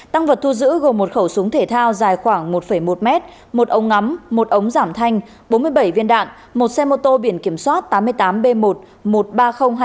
tăng vật thu giữ gồm một khẩu súng thể thao dài khoảng một một m một ống ngắm một ống giảm thanh bốn mươi bảy viên đạn một xe mô tô biển kiểm soát tám mươi tám b một một mươi ba nghìn hai mươi